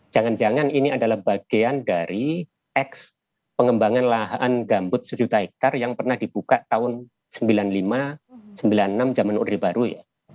jangan jangan ini adalah bagian dari eks pengembangan lahan gambut sejuta hektare yang pernah dibuka tahun seribu sembilan ratus sembilan puluh lima seribu sembilan ratus sembilan puluh enam zaman orde baru ya